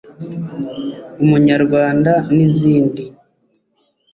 Umunyarwanda” n’izindi